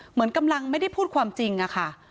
เหมือนกำลังไม่ได้พูดความจริงอะค่ะ